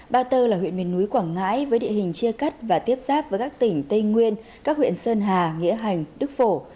ba tơ là huyện miền núi quảng ngãi với địa hình chia cắt và tiếp xác với các tỉnh tây nguyên các huyện sơn hà nghĩa hành đức phổ